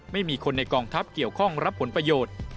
ไม่มีคนในกองทัพเกี่ยวข้องรับผลประโยชน์